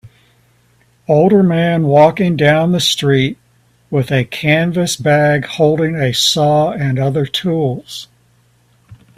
Older man walking down the street with a canvass bag holding a saw and other tools.